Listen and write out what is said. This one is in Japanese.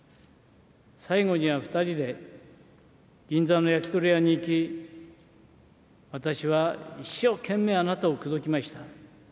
最後には２人で銀座の焼き鳥屋に行き、私は一生懸命あなたを口説きました。